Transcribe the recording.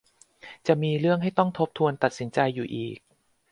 จะมีเรื่องให้ต้องทบทวนตัดสินใจอยู่อีก